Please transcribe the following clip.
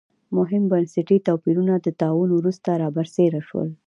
مهم بنسټي توپیرونه د طاعون وروسته را برسېره شول.